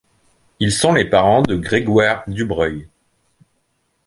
Ils sont les parents de Grégoire Dubreuil.